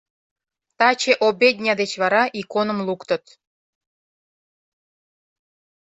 Таче обедня деч вара иконым луктыт.